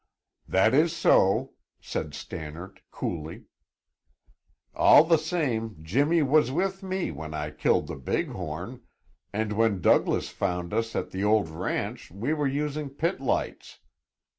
"That is so," said Stannard coolly. "All the same, Jimmy was with me when I killed the big horn, and when Douglas found us at the old ranch we were using pit lights.